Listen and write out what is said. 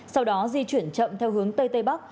sau đó di chuyển chậm theo hướng tây tây bắc